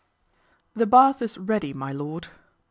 THE bath is ready, my lord."